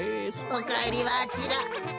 おかえりはあちら。